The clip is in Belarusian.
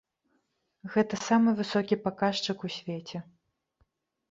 Гэта самы высокі паказчык у свеце.